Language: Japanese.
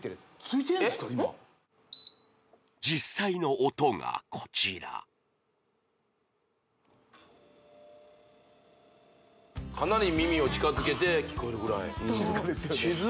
今実際の音がこちらかなり耳を近づけて聞こえるぐらい静かですよね